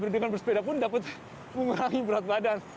dengan bersepeda pun dapat mengurangi berat badan